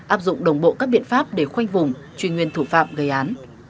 áp dụng đồng bộ các biện pháp để khoanh vùng truy nguyên thủ phạm gây án